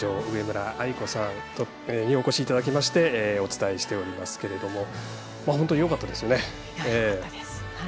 上村愛子さんにお越しいただきましてお伝えしておりますけれども本当によかったですよね。